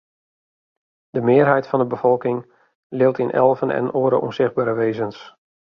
De mearheid fan de befolking leaut yn elven en oare ûnsichtbere wêzens.